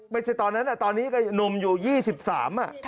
ตอนนั้นตอนนี้ก็หนุ่มอยู่๒๓อ่ะ